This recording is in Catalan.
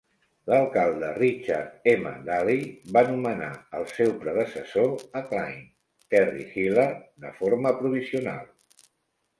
L'alcalde, Richard M. Daley, va nomenar el seu predecessor a Cline, Terry Hillard, de forma provisional.